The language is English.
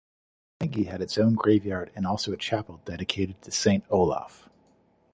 Pellinki has its own graveyard and also a chapel dedicated to Saint Olaf.